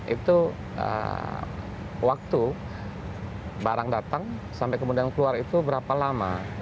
itu waktu barang datang sampai kemudian keluar itu berapa lama